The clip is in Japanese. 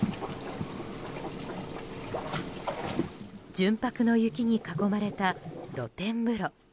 純白の雪に囲まれた露天風呂。